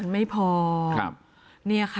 มันไม่พอ